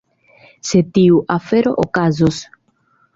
Se tiu afero okazos.